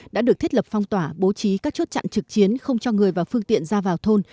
đã được thiết lập phong tỏa bố trí các chốt chặn trực chiến không cho người và phương tiện ra vào thôn